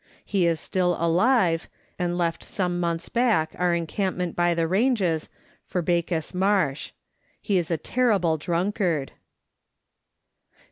He is still alive, and left some months back our encampment by the ranges for Bacchus Marsh ; he is a terrible drunkard.